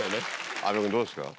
阿部君どうですか？